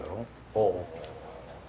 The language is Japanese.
ああ。